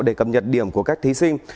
để cập nhật điểm của các thí sinh